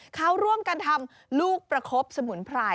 เขาร่วมกันทำลูกประคบสมุนไพร